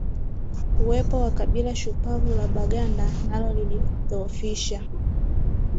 Uwepo wa kabila shupavu la Baganda nalo lilidhoofisha